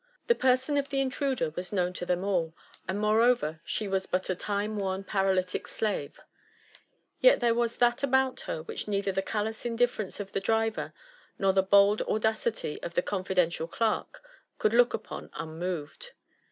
The person of the intruder was known to them all, and moreover she was but a time worn paralytic slave; yet there was that about her which neither the callous indifference of the driver, nor the bold au dacity of the confidential clerk, could look upon unmoved.